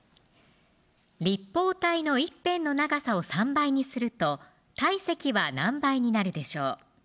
立方体の一辺の長さを３倍にすると体積は何倍になるでしょう